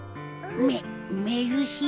メメルシィ？